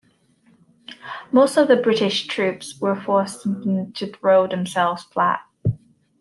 Most of the British troops were forced to throw themselves flat.